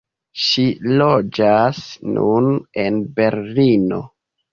Ŝi loĝas nun en Berlino.